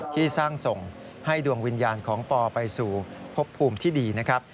ที่สร้างส่งให้ดวงวิญญาณของปอไปสู่พบภูมิที่ดีนะครับ